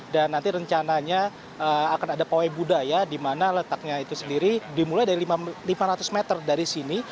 dan nanti rencananya akan ada pawai budaya di mana letaknya itu sendiri dimulai dari lima ratus meter dari sini